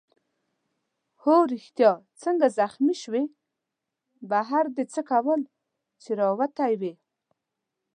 هو ریښتیا څنګه زخمي شوې؟ بهر دې څه کول چي راوتی وې؟